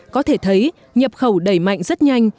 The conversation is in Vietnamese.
có thể thấy nhập khẩu đẩy mạnh rất nhanh